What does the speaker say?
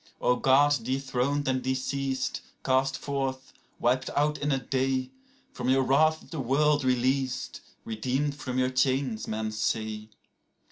13O Gods dethroned and deceased, cast forth, wiped out in a day!14From your wrath is the world released, redeemed from your chains, men say.